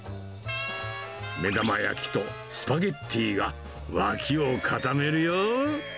目玉焼きとスパゲッティが脇を固めるよ。